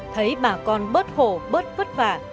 thấy bà con bớt khổ bớt vất vả